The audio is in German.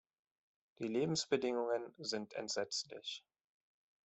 Die Lebensbedingungen sind entsetzlich.